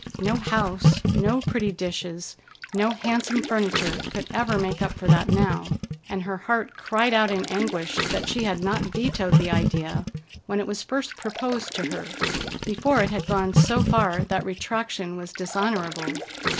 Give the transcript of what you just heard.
No house, no pretty dishes, no handsome furniture, could ever make up for that now, and her heart cried out in anguish that she had not vetoed the idea when it was first proposed to her, before it had gone so far that retraction was dishonorable.